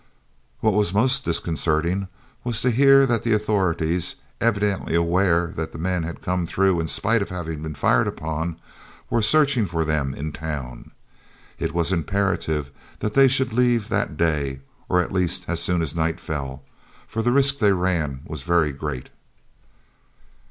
What was most disconcerting was to hear that the authorities, evidently aware that the men had come through in spite of having been fired upon, were searching for them in town. It was imperative that they should leave that day, or at least as soon as night fell, for the risk they ran was very great.